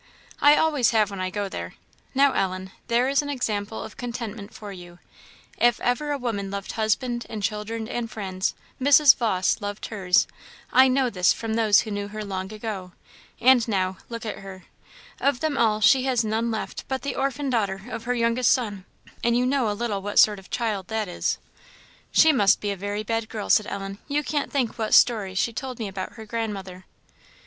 "I always have when I go there. Now, Ellen, there is an example of contentment for you. If ever a woman loved husband and children and friends, Mrs. Vawse loved hers; I know this from those who knew her long ago; and now, look at her. Of them all, she has none left but the orphan daughter of her youngest son, and you know a little what sort of a child that is." "She must be a very bad girl," said Ellen; "you can't think what stories she told me about her grandmother."